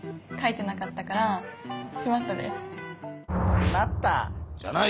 「しまった」じゃない！